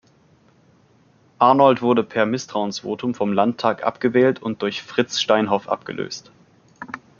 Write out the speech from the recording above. Arnold wurde per Misstrauensvotum vom Landtag abgewählt und durch Fritz Steinhoff abgelöst.